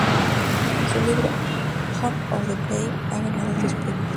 Su libro "Home of the Brave" ha ganado dos premios.